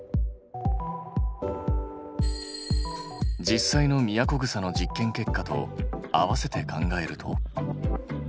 実際のミヤコグサの実験結果と合わせて考えると。